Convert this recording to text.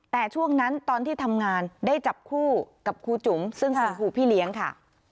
แต่ช่วงนั้นตอนที่ทำงานได้จับคู่กับครูจุ๋มซึ่งเป็นครูพี่เลี้ยงค่ะ